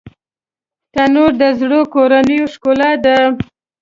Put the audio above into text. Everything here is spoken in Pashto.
تنور د زړو کورونو ښکلا ده